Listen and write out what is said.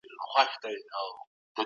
ايا د لويو سازمانونو جوړېدل اغېزناک وو؟